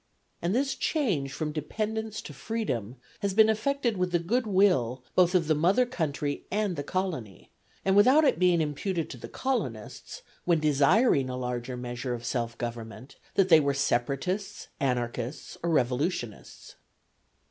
And this change from dependence to freedom has been effected with the good will both of the mother country and the colony, and without it being imputed to the colonists, when desiring a larger measure of self government, that they were separatists, anarchists, or revolutionists.